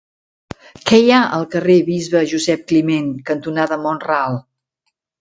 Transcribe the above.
Què hi ha al carrer Bisbe Josep Climent cantonada Mont-ral?